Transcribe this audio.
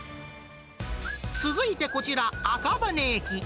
続いてこちら、赤羽駅。